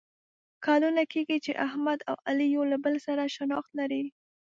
کلونه کېږي چې احمد او علي یو له بل سره شناخت لري.